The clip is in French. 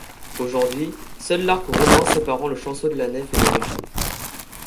Aujourd'hui, seul l'arc roman séparant le chanceau de la nef est d'origine.